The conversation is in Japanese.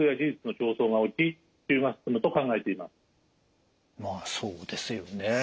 まあそうですよね。